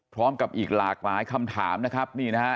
พร้อมกับอีกหลากหลายคำถามนะครับนี่นะฮะ